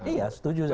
iya setuju saya